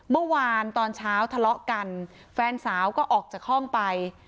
เมื่อวานตอนเช้าทะเลาะกันแฟนสาวก็ออกจากห้องไป